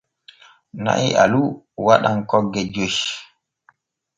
Na'i alu waɗan kogge joy.